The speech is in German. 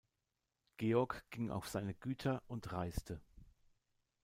Georg ging auf seine Güter und reiste.